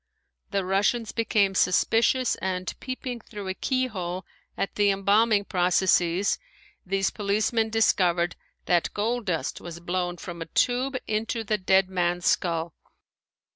The Russians became suspicious and peeping through a keyhole at the embalming processes these policemen discovered that gold dust was blown from a tube into the dead man's skull.